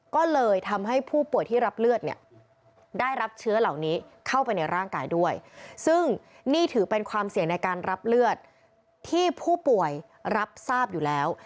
ก็เลยทำให้ผู้ป่วยที่รับเลือดเนี่ยได้รับเชื้อเหล่านี้เข้าไปในร่างกายด้วยซึ่งนี่ถือเป็นความเสี่ยงในการรับเลือดที่ผู้ป่วยรับทราบอยู่แล้ว